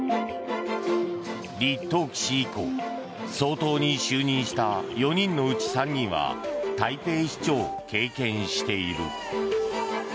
李登輝氏以降総統に就任した４人のうち３人は台北市長を経験している。